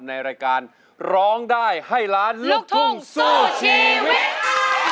ในรายการร้องได้ให้ล้านลูกทุ่งสู้ชีวิต